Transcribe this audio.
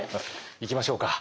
いきましょうか。